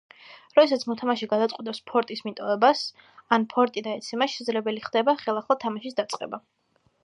როდესაც მოთამაშე გადაწყვიტავს ფორტის მიტოვებას, ან ფორტი დაეცემა, შესაძლებელი ხდება ხელახლა თამაშის დაწყება.